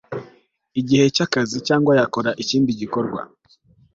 igice cy akazi cyangwa yakora ikindi igikorwa